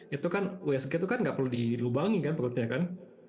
itu kan usg itu kan nggak perlu dilubangi kan perutnya kan